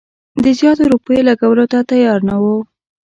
د زیاتو روپیو لګولو ته تیار نه وو.